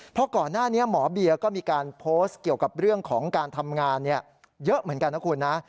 เพราะก่อนหน้านี้หมอเบียก็มีการโพสต์เกี่ยวกับเรื่องของการทำงานเยอะเหมือนกันนะคุณนะ